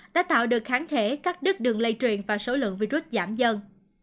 đã tạo được kháng thể cắt đứt đường lây truyền và số lượng virus giảm dần